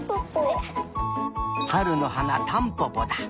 はるのはなタンポポだ。